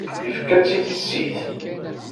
Yefka-tt i tissit.